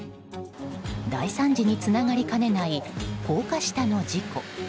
大惨事につながりかねない高架下の事故。